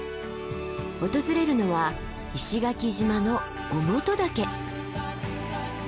訪れるのは石垣島の於茂登岳。